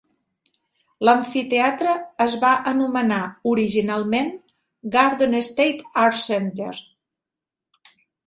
L'amfiteatre es va anomenar originalment Garden State Arts Center.